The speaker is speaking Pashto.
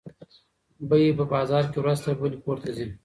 بیې په بازار کې ورځ تر بلې پورته ځي.